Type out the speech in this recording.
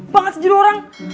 gede banget sejujurnya orang